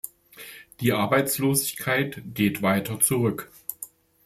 Die Arbeitslosigkeit geht weiter zurück.